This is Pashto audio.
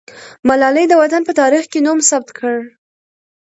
ملالۍ د وطن په تاریخ کې نوم ثبت کړ.